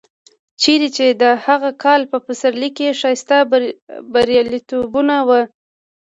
چېرې چې د هغه کال په پسرلي کې ښایسته بریالیتوبونه و.